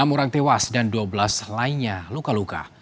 enam orang tewas dan dua belas lainnya luka luka